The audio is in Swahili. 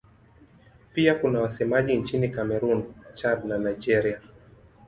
Pia kuna wasemaji nchini Kamerun, Chad na Nigeria.